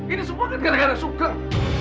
ini semua kan gara gara suka